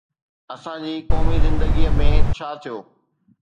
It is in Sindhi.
اسان جي قومي زندگيءَ ۾ ڇا ٿيو؟